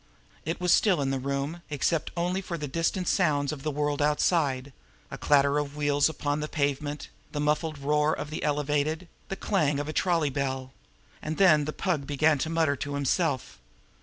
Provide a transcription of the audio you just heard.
It was still in the room, except only for the distant sounds of the world outside a clatter of wheels upon the pavement, the muffled roar of the elevated, the clang of a trolley bell. And then the Pug began to mutter to himself.